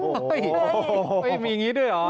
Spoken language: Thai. โอ้โหไม่มีอย่างนี้ด้วยเหรอ